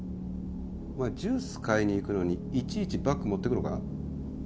お前ジュース買いに行くのにいちいちバッグ持ってくのか？